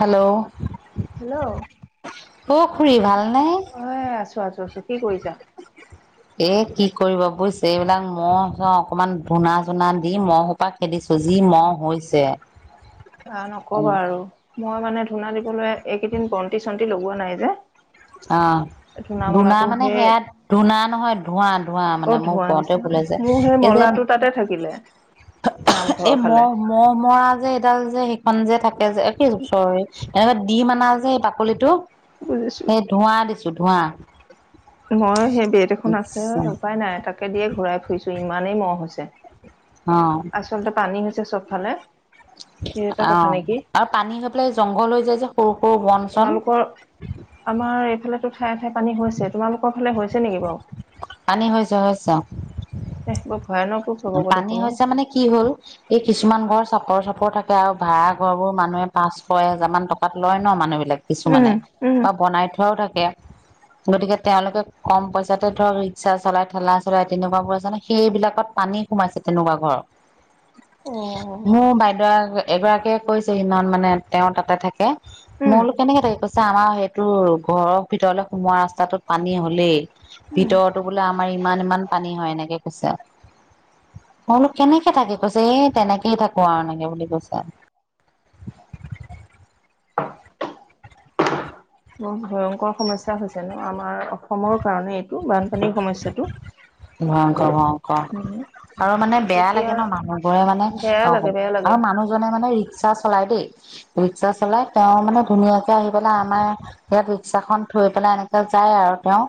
Hello hello অ খুৰী ভালনে এ আছো আছো আছো কি কৰিছা এ কি কৰিব বুইছ এইবিলাক মহ অকনমান ধূনা চুনা দি মই সোপা খেদিছো জি ম'হ হৈছে আহ নকবা আৰু মই মানে ধূনা দিবলৈ এইকেইদিন বন্তি চন্তি লগোৱা নাই যে অঁ ধূনা ধনা মলাটো মানে সেই সেয়া ধূনা নহয় ধোৱা ধোৱা অ মানে মোৰ ধোৱা ওপৰতে দিছে খুলাইছে মোৰ সেই এই যে মলাটো তাতে থাকিলে নামঘৰৰ এই ফালে মহ মহ মৰা যে এইডাল যে সেইখন যে থাকে যে একেই চ এনেকুৱা দি মানা যে এই বাকলিটো উ সেই ধোঁৱা দিছো ধোঁৱা মই সেই বেট এখন আছে উপায় নাই তাকে দিয়ে ঘূৰাই ফুৰিছো ইমানেই মহ হৈছে। অ আচলতে পানী হৈছে চবফালে সেই এটা অ কথা নেকি আৰু পানী হৈ পেলাই জংঘল হৈ যায় যে সৰু সৰু বন চন তোমালোকৰ আমাৰ এইফালে ঠাইে ঠায়ে পানী হৈছে তোমালোক ফালে হৈছে নেকি পানী হৈছে হৈছে বাৰু ভয়ানক ৰূপ ল'ব পানী দেখোন হৈছে মানে কি হ'ল এই কিছুমান ঘৰ চাপৰ চাপৰ থাকে য ভাড়া ঘৰোৰ মানুহে ছয় হেজাৰ মান টাত লয় ন মানুহবিল বলেগ উম কিছুমানে উম বা বনাই থোৱাও থাকে গতিকে তেওঁলোকে কম পইচাতে ধৰক ৰিক্সা চলাই ঠেলা চলাই তেনেকুৱাবোৰ আছোনে সেইবিলাকত পানী সোমাইছে তেনেকুৱা ঘৰত অ', মোৰ বাইদেউাক এগৰাকীয়ে কৈছে সেইদিনাখন মানে তেওঁৰ তাতে থাকে মোৰ উম, বোলো কেনেকে থাকে কৈছে আচ আমাৰ সেইটো ঘৰৰ ভিতৰলৈ সোমোৱা ৰাস্তাটোত পানী হ'লেই উম। ভিতৰতো বোলে আমাৰ ইমান ইমান পানী হয় এনেকৈ কৈছে তেইলোক কেনেকে থাকে কৈছে এই তেনেকেই থাকো আৰু এনেকে বুলি কৈছে। [unintelligible] ব ভয়ংকৰ সমস্যা হৈছে ন আমাৰ অসমৰ কাৰণে এইটো বানপানীৰ সমস্যাটো ভয়ংকৰ ভয়ংকৰ মানে আৰু মানে বেয়া লাগে এতিয়া ন মানুহ ঘৰে মানে বেয়া অ লাগে বেয়া লাগে আৰু মানুহজনে মানে ৰিক্সা চলাই দেই ৰিক্সা চলাই তেওঁ মানে ধুনীয়াকে আহি পেলাই আমাৰ ইয়াত ৰিক্সা খন থৈ পেলাই এনেকে যায় আৰু তেওঁ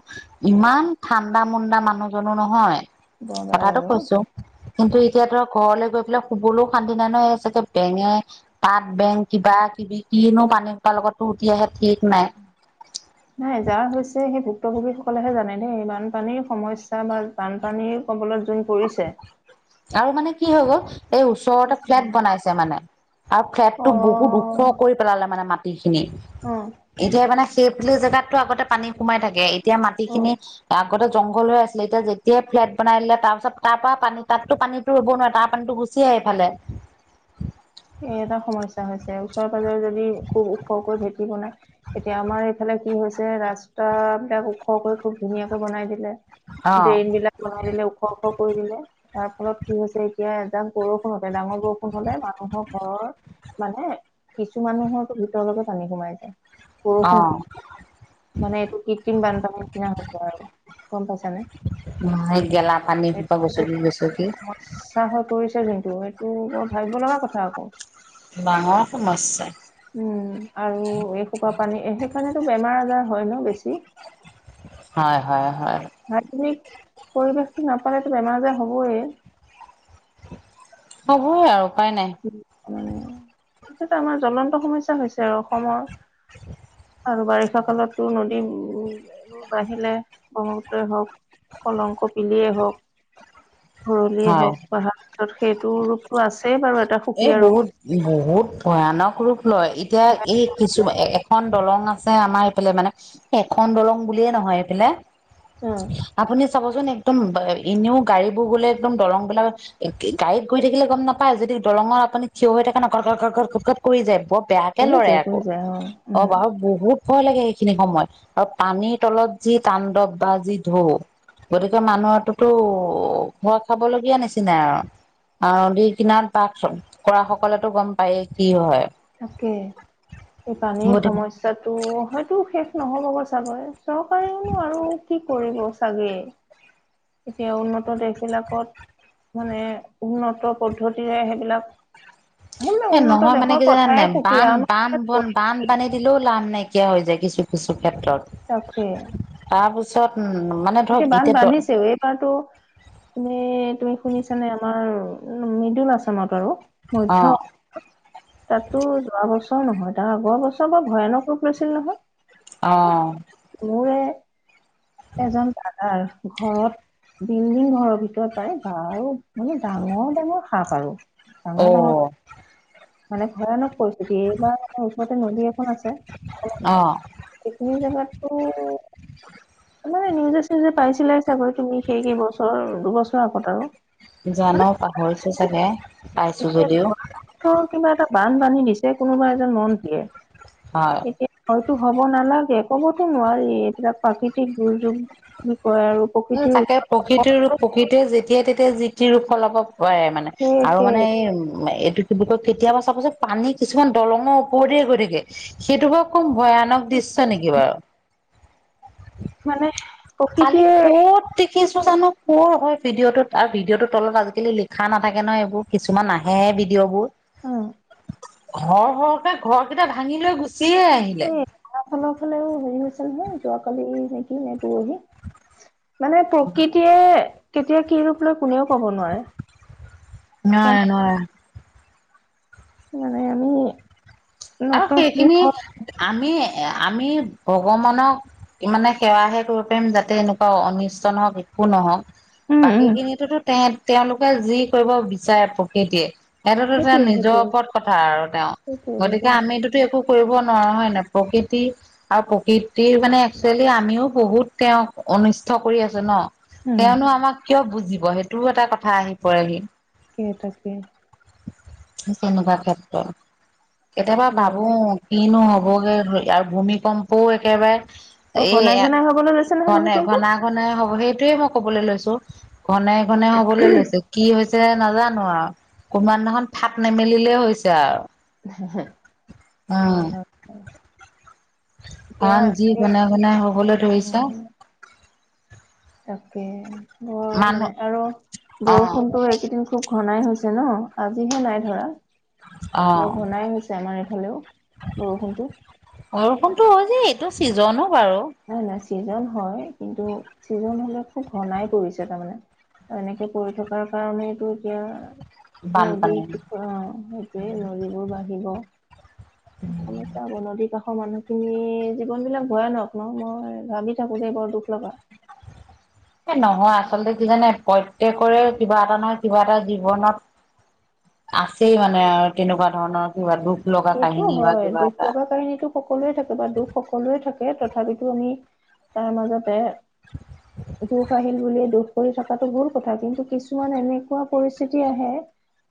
ইমান ঠাণ্ডা মুণ্ডা মানুহ জো নহয় বৰ বেয়া কথাটো লাগে অ'। কৈছো কিন্তু এতিয়া ধৰ ঘৰলৈ গৈ পেলাই শুবলৈও শান্তি নাই ন হৈ চাগে বেঙে পাত বেঙ কিবা কিবি কিনো পানীকা লগতো উঠি আহে ঠিক নাই নাই যাৰ হৈছে সেই উক্ত কবিসকলেহে জানে দেই বানপানীৰ সমস্যা বা বানপানীৰ কবলত যোন পৰিছে আৰু মানে কি হৈ গ'ল এই ওচৰতে ফ্লেট বনাইছে মানে আৰু ফ্লেট টো বহুত ওখ অ', কৰি পেলালে মানে মাত অ', এতিয়া মানে সেইফালে জোগাতটো আগতে পানী সোমাই থাকে এতিয়া অ'। মাটিখিনি আগতে জংঘল হৈ আছিলে এতিয়া যেতিয়াই ফ্লেট বনাই দিলে তাৰ পিছত তাৰ পৰা পানী তাতো পানীতো ৰুব নোৱাৰে তাৰ পানীতটো গুচি আহে এইফালে এই এটা সমস্যা হৈছে ওচৰে পাজৰে যদি খুব ওখকৈ ভেঁকি বনাই এতিয়া আমাৰ এইফালে কি হৈছে ৰাস্তা বিলাক ওখকৈ খুব ধুনীয়াকে বনাই দিলে অ ড্ৰেইন বিলাক বনাই দিলে ওখ ওখ কৰি দিলে তাৰ ফলত কি হৈছে এতিয়া এযাক বৰষুণ হতে ডাঙৰ বৰষুণ হলে মানুহক মানে কিছু মানুহৰো ভিতৰ লগে পানী সোমাই যায় অ বৰষুণটো মানে এইটো কৃত্ৰিম বানপানীৰ নিচিনা হৈছে আৰু গম পাইছানে উম সেই গেলা পানী সোপা এই গচকি গচকি সমস্যা হৈ পৰিছে কিন্তু সেইটো বৰ ভাবিব লগা কথা আকৌ ডাঙৰ সমস্যা উম আৰু এসোপ পানী সেইকাৰণেতো বেমাৰ আজাৰ হয় ন বেছি হয় হয় হয় শাৰীৰিক পৰিৱেশটো নাপালেতো বেমাৰ আজাৰ হবয়। হ'বে আৰু। উপায় নাই মানে সইটো আমাৰ জ্বলন্ত সমস্যা হৈছে আৰু অসমৰ। [unintelligible] আৰু বাৰিষা কালতো নদী উবোৰ বাঢ়িলে ব্ৰহ্মপুত্ৰই হওক। কলং কপিলিয়েই হওক। ঘৰলিয় হয় হওক বাহাৰ পিছত সেইটো ৰূপতো আছেই বাৰু' এটা এই সুকীয়া ৰূপ। বহুত বহুত ভয়ানক ৰূপ লয় এতিয়া এই কিছু এখন দলং আছে আমাৰ এইফালে মানে। এখন দলং বুলিয়ে নহয় এইফালে অ' আপুনি। চাবচোন একদম এনেও গাড়ী বোৰ গ'লে একদম দৰং বিলাক গাড়ীত গৈ থাকিলে গম নাপায় যদি। দলঙৰ আপুনি থিয় হৈ থাকে ন, ক ক ক ক কট কৰি যায়। বৰ বেয়াকে কৰি লৰে যায় আকৌ কৰি যায় অ উম বাৰু বহুত। ভয় লাগে এইখিনি সময়ত আৰু পানীৰ তলত যি তাণ্ডৱ বা যি ঢৌ। গতিকে মানুহটোতো ভয় খাবলগীয়া নিচিনা আৰু। নদীৰ কিনাৰত বাস কৰা সকলেতো গম পায়েই কি হয়। তাকে, এই পানীৰ গতিকে সমস্যাটো হয়তো শেষ। নহ'ব ব চাবৈ চৰকাৰেনো আৰু কি কৰিব চাগে। এতিয়া উন্নত দেশ বিলাকত। মানে উন্নত পদ্ধতিৰে সেইবিলাক। সেইবিলাক এ উন্নত নহয় মানে দেশৰ কি জানে কথাই নাই, সুকীয়া বান আমাৰ বান ইয়াত বন পৰি বান বানি দিলেও লাভ নাইকিয়া হৈ যায়। কিছু কিছু ক্ষেত্ৰত থাকে তাৰপিছত উ এতিয়া বান্ধ বান্ধিছেও এইবাৰতটো। মে তুমি শুনিছানে আমাৰ মৃদুল আছামত আৰু অ মধ্য তাতো যোৱা বছৰ নহয়, তাৰ আগৰ বছৰ বাৰ ভয়ানক ৰূপ লৈছিল নহয়। অ'। মোৰে এজন দাদাৰ ঘৰত বিল্ডিং ঘৰৰ ভিতৰত পায় বাৰ মানে ডাঙৰ ডাঙৰ শাপ আৰু। ডাঙৰ ডাঙৰ অ'। মানে ভয়ানক পৰিস্থিতি এইবাৰ আমাৰ ওচৰতে নদী এখন আছে অ সেইখিনি জেগাত ত' [inaudible] মানে নিউজে চিউজে পাইছিলা চাগৈ তুমি সেই কেইবছৰ দুবছৰৰ আগত আৰু। মানে জানো পাহৰিছো চাগে পাইছো যদিও। বান বান্ধী দিছে কোনোবা এজন মন্ত্ৰীয়ে হয় এতিয়া হয়। হ'ব নালাগে ক'বতো নোৱাৰি এইবিলাক প্ৰাকৃতিক দুৰ্যোগ। কয় আৰু উ প্ৰকৃতিৰ তাকে ওচৰত প্ৰকৃতৰ ৰূপ সকলোৱে প্ৰকৃতিয়ে যেতিয়াাই তেতিয়া জিতি ৰোপ হলাব পাৰে মানে আৰু মানে এই শেষ উ এইটো কি কয় কেতিয়াবা চাব সোণ পানী কিছুমান দলঙৰ ওপৰতে গৈ থাকে সেইটো হ ভয়ানক দৃশ্য নেকি বাৰু। মানে কালি প্ৰকৃতিয়ে ক'ত কিছো জানো কুৰ হয় ভিডিঅ'টোত আৰু ভিডিঅ তৰ তলত আজিকালি লিখা নাথাকে ন এইবোৰ কিছুমান আহে ভিডিঅ' বোৰ। অ'। সৰ সৰকে ঘৰ কেইটা ভাঙি লৈ গুচিয়ে আহিলে। এই আমাৰ ফালৰ ফালেও হেৰি হৈছে নহয় যোৱাকালি নেকি নে পৰহি মানে প্ৰকৃতিয়ে তেতিয়া কি ৰূপ লৈ কোনেও কব নোৱাৰে। গম নোৱাৰে নোৱাৰে । মানে আমি আৰু নত সেইখিনি হৈ আমি এ আমি ভগৱানক মানে সেৱাহে কৰিব পাৰিম যাতে এনেকুৱা অনি ষ্ট নহওক একো নহঁক, উম বাকী উম খিনিতোতো তে তেওঁলোকে যি কৰিব বিচাৰে প্ৰকৃতিয়ে সেইটোতো তেওঁ সেইটোয়ে নিজৰ সেইটোয়ে ওপৰত কথা আৰু তেওঁ, সেইটোয়ে গতিকে সেইটোয়ে আমিটোতো একো কৰিব নোৱাৰা হয় নাই, প্ৰকৃতি আৰু প্ৰকৃতিৰ মানে একচুৱেলি আমিও বহুত তেওঁ অনিষ্ট কৰি আছোঁ ন, উম তেওঁনো আমাক কিয় বুজিব সেইটোও এটা কথা আহি পৰেহি। তাকেই তাকেই। তেনেকুৱা ক্ষেত্ৰত। কেতিয়াবা ভাবো বৰ কিনো হবগে আৰু ভূমিকম্পও একেবাৰে অ এ, ঘনাই ঘনাই হবলৈ লৈছে নহয় ঘনে ভূমিকম্প ঘনা ঘনে হ'ব সেই সেইটোয়ে মই কবলৈ লৈছো, ঘনেই ঘনেই হবলৈ লৈছো কি হৈছে ছে নাজানো আৰু কোনোবা এদিনাখন ফাট নেমেলিলে হৈছে আৰু। হে হে, হয় হয় হয়। পণ যি বনাই বনাই হবলে ধৰিছে আহ তাকে বৰ মানে মানুহ আৰু অ বৰষুণতো এইকেইদিন খুব ঘনাই হৈছে ন? আজিহে নাই ধৰা, অ বৰ ঘনাই হৈছে আমাৰ এইফালেও বৰষুণটো। বৰষুণটো হয় যে এইটো ছিজনো বাৰু। নাই নাই ছিজন হয় কিন্তু ছিজন হলে খুব ঘনাই পৰিছে তাৰমানে। এনেকে পৰি থকাৰ কাৰনে এইটো এতিয়া নদী বানপানী অ সেইটোৱে নদীবোৰ বাঢ়িব। সমস্যা হব নদীৰ কাষৰ মানুহখিনি জীৱন বিলাক ভয়ানক। ন মই ভাবি থাকো যে বৰ দুখ লগা। নহয় আচল তে কি জানে প্ৰত্যেকৰে কিবা এটা নহয় কিবা এটা জীৱনত আছেই মানে আৰু তেনেকুৱা ধৰণৰ কিবা দুখ লগা সেইটো কাহিনী বা হয়, কিবা দুখ এটা। লগা কাহিনিটো সকলোৱে থাকে বা দুখ সকলোৱে থাক কে তথাপিতো আমি তাৰ মাজতে দুখ আহিল বুলিয়ে দুখ কৰি থকাটো ভুল কথা কিন্তু কিছুমান এনেকুৱা পৰিস্থিতি আহে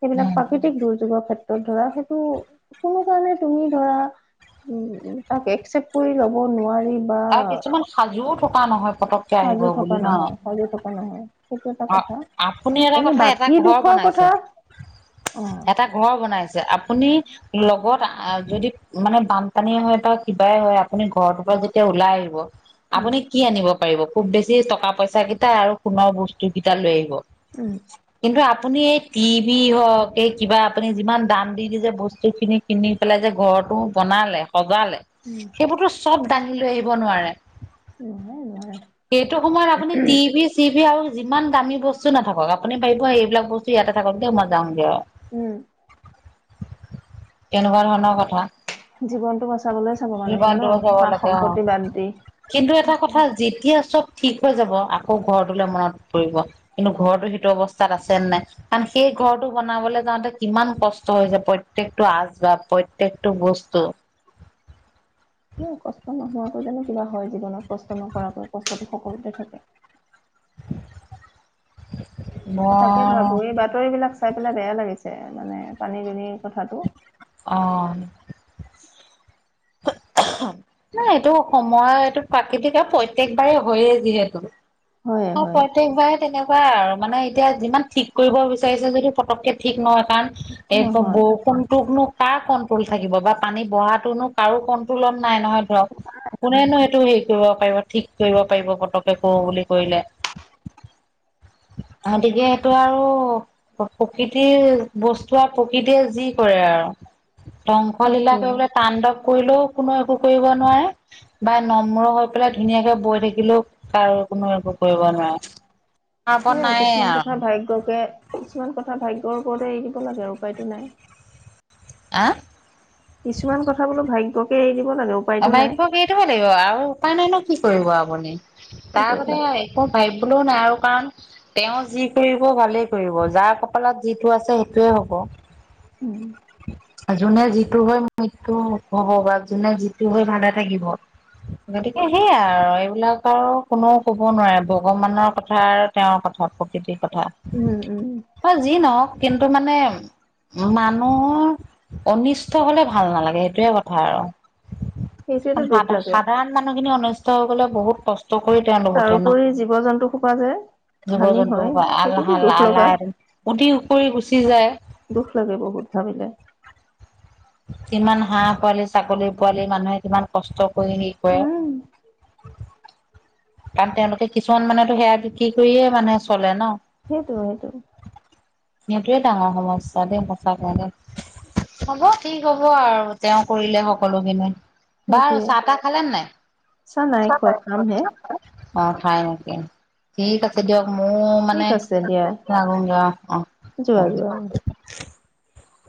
সেইবিলাক উম। প্ৰাকৃতিক দুৰ্যোগৰ ক্ষেত্ৰত ধৰা সেইটো কোনো কাৰণে তুমি ধৰা উম তাক একচেপট কৰি ল'ব নোৱাৰি। বা আৰু কিছুমান সাজুও থকা নহয় পতককে সাজু আহিব থকা বুলি ন। নহয় সাজু থকা নহয় সেইটো এটা অ কথা আপুনি এটা এনে কথা এটা বাকী ঘৰ দুখৰ কথা বনাইছে অ এটা ঘৰ বনাইছে, আপুনি লগত যদি মানে বানপানী হয় বা কিবাই হয় আপুনি ঘৰটোৰ পৰা যেতিয়া ওলাই আহিব উম আপুনি কি আনিব পাৰিব খুব বেছি টকা পইচা কেইটা আৰু সোণৰ বস্তু কেইটা লৈ আহিব। উম। কিন্তু আপুনি এই টিভি হওক, এই কিবা আপুনি যিমান দাম দি দি যে বস্তু খিনি কিনি পেলাই যে ঘৰটো বনালে সজালে, উম সেইবোৰতো চব দাঙি লৈ আহিব নোৱাৰে। নোৱাৰে নোৱাৰে এইটো সময়ত আপুনি টিভি চিভি আৰু যিমান দামী বস্তু নাথাকক, আপুনি পাৰিব এইবিলাক বস্তু ইয়াতে থাকক দিয় মই যামগে আৰু। উম এনেকুৱা ধৰণৰ কথা। জীৱনটো বচাবলৈ চাব মানুহে কিমান ন দূৰত যাব সা লাগে অ সম্পত্তি বাদ দি। কিন্তু এটা সেইটোৱে কথা যেতিয়া চব ঠিক হৈ যাব, আকৌ ঘৰটোলে মনত পৰিব, কিন্তু ঘৰটো সেইটো অৱস্থাত আছে নে নাই কাৰণ সেই ঘৰটো বনাবলৈ যাওঁতে কিমান কষ্ট হৈছে প্ৰত্যেকটো আচবাব, প্ৰত্যেকটো বস্তু কষ্ট নোহোৱাকৈ জানো কিবা হয় জীৱনত কষ্ট নকৰাকৈ, কষ্টটো সকলোতে থাকে। [inaudible] তাকে মই ভাবো এই বাতৰি বিলাক চাই পেলাই বেয়া লাগিছে মানে পানী দুনিৰ কথাটো। অ'। [unintelligible] নাই এইটো সময় এইটো প্ৰাকৃতিক আৰু প্ৰত্যেকবাৰেই হয়েই যিহেতু হয় অ হয় প্ৰত্যেকবাৰে তেনেকুৱাই আৰু মানে এতিয়া যিমান ঠিক কৰিব বিচাৰিছে যদি পতক কে ঠিক নহয় কাৰণ এই নহয় বৰষুণটোকনো কাৰ কন্ট্ৰল থাকিব বা পানী বঢ়হা টোনো কাৰো কণ্ট্ৰলত নাই নহয় ধৰক কোনেনো এইটো হেৰি কৰিব পাৰিব ঠিক কৰিব পাৰিব পতকে কৰ বুলি কৰিলে । গতিকে সেইটো আৰু প্ৰকৃতিৰ বস্তু আৰু প্ৰকৃতিয়ে যি কৰে আৰু ধ্বংসলীলা তাকে কৰিবলে তাণ্ডৱ কৰিলেও কোনো একো কৰিব নোৱাৰে বা নম্ৰ হৈ পেলাই ধুনীয়াকে বৈ থাকিলেও কাৰো কোনো একো কৰিব নোৱাৰে। তাৰ সে ওপৰত নায়ে কিছুমান কথা আৰু ভাগ্যকে কিছুমান কথা ভাগ্য ৰ ওপৰতে এৰি দিব লাগে আৰু উপায়তো নাই। অহ। কিছুমান কথা বোলো ভাগ্যকে এৰি লাগে অ উপায়তো নাই ভাগ্যক এৰি দিবই লাগিব আৰু উপায় নাই ন কি কৰিব আপুনি কি তাৰ মানে কৰিবা। একো ভাব লেও নাই আৰু কাৰণ তেওঁ যি কৰিব ভালেই কৰিব যাৰ কপালত যিটো আছে সেইটোয়ে হ'ব। [inaudible] উম [unintelligible] যোনে যিটো হৈ মৃত্যু হব বা যোনে যিটো হৈ ভালে থাকিব গতিকে সেইয়াই আৰু এইবিলাক আৰু কোনেও কব নোৱাৰে ভগৱানৰ কথা আৰু তেওঁৰ কথা প্ৰকৃতিৰ কথা, উম উম হয় যি নহওক কিন্তু মানে মান নুহৰ অনিষ্ট হলে ভাল নালাগে, সেইটোয়ে কথা আৰু সেইটোৱেতো দুখ সাধ লাগে সাধাৰণ মানুহখিনি অনিষ্ট হৈ গলে বহুত কষ্ট কৰি তেওঁলোক উঠে ন। তাৰোপৰি জীৱ জন্তু শোপা যে জীৱ হানি জন্তু হয় হুপা সেইটোতো আলাল দুখ লগা আলাই উতি উপৰি গুচি যায়। দুখ লাগে বহুত ভাবিলে। যিমান হাঁহ পোৱালি ছাগলী পোৱালি মানুহে কিমান কষ্ট কৰি হেই কৰে উম কাৰণ তেওঁলোকে কিছুমান মানেতো সেয়া বিক্ৰী কৰিয়ে মানে চলে ন। সেইটোএ সেইটো। সেইটোৱে ডাঙৰ সমস্যা দেই সঁচাকে দেই। হ'ব ঠিক হ'ব আৰু তেওঁ কৰিলে সকলোখিনি। বাৰু সেইটোৱে চাহ তাহ খালে নাই? চা নাই খোৱা খামহে অ খাই নেকি ঠিক আছে দিয়ক। মোৰ ঠিক মানে, আছে দিয়া লাগুগে আও অহ যোৱা অহ যোৱা হব।